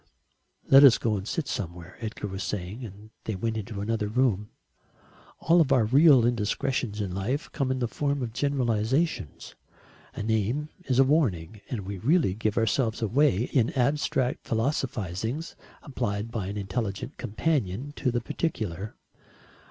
"Let us go and sit somewhere," Edgar was saying, and they went into another room. All of our real indiscretions in life come in the form of generalisations. A name is a warning, and we really give ourselves away in abstract philosophisings applied by an intelligent companion to the particular.